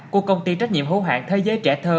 của công ty trách nhiệm hữu hạng thế giới trẻ thơ